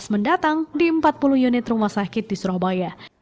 mendatang di empat puluh unit rumah sakit di surabaya